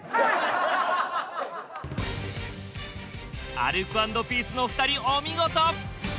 アルコ＆ピースのお二人お見事！